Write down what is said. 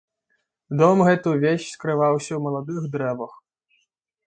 Дом гэты ўвесь скрываўся ў маладых дрэвах.